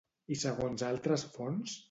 I segons altres fonts?